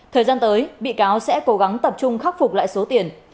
thời gian tới bị cáo sẽ cố gắng tập trung khắc phục lại số tiền